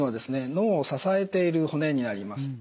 脳を支えている骨になります。